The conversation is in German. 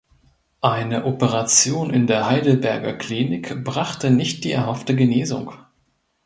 Eine Operation in der Heidelberger Klinik brachte nicht die erhoffte Genesung.